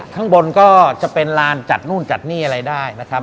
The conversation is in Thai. ข้างบนก็จะเป็นลานจัดนู่นจัดนี่อะไรได้นะครับ